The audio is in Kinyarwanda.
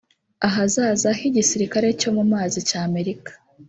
Ahazaza h’igisirikare cyo mu mazi cya Amerika